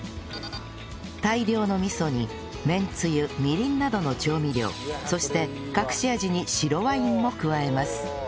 大量の味噌にめんつゆみりんなどの調味料そして隠し味に白ワインも加えます